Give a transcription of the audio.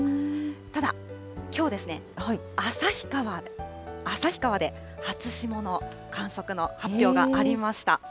ただ、きょうですね、旭川で初霜の観測の発表がありました。